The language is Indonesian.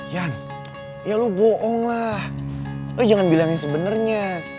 yan ya lo bohong lah lo jangan bilang yang sebenarnya